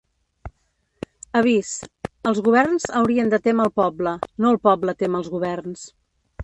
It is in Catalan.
Avís: els governs haurien de témer el poble, no el poble témer els governs.